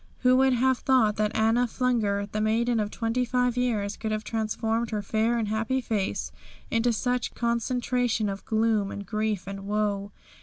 Who would have thought that Anna Flunger, the maiden of twenty five years, could have transformed her fair and happy face into such concentration of gloom and grief and woe?